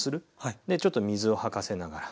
でちょっと水をはかせながら。